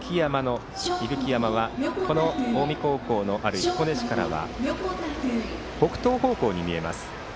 伊吹山は近江高校のある彦根市からは北東方向に見えます。